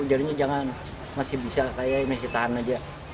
jarinya jangan masih bisa kayak masih tahan aja